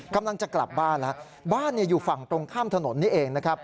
กำลังจะกลับบ้านบ้านอยู่ฝั่งตรงข้ามถนนนี้เอง